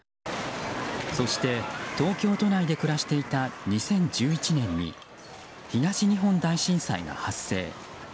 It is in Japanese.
そして、東京都内で暮らしていた２０１１年に東日本大震災が発生。